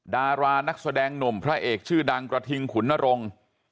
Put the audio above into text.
ดารานักแสดงหนุ่มพระเอกชื่อดังกระทิงขุนนรงค์